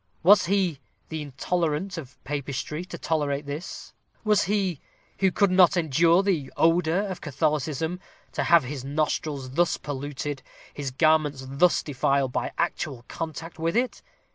Was he, the intolerant of Papistry, to tolerate this? Was he, who could not endure the odor of Catholicism, to have his nostrils thus polluted his garments thus defiled by actual contact with it?